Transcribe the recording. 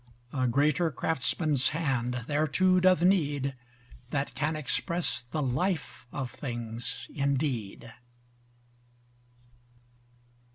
A greater craftsman's hand thereto doth need, That can express the life of things indeed.